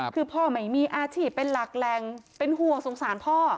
คือพ่อไม่มีอาชีพเป็นหลักแหล่งเป็นห่วงสงสารพ่อ